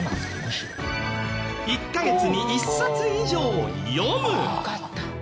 １カ月に１冊以上読む。